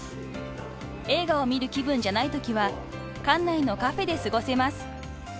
［映画を見る気分じゃないときは館内のカフェで過ごせます］